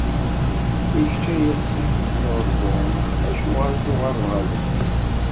I kečč, ay asif n Uṛdun, acuɣer i tuɣaleḍ ɣer deffir?